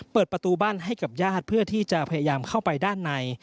เปิดประตูบ้านให้กับญาติเพื่อที่จะพยายามเข้าไปด้านใน